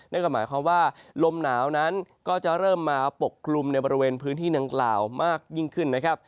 นั่นก็หมายความว่าลมหนาวนั้นก็จะเริ่มมาปกกลุ่มในบริเวณพื้นที่ดังกล่าวมากยิ่งขึ้นนะครับ